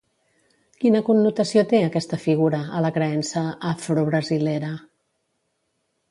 Quina connotació té, aquesta figura, a la creença afrobrasilera?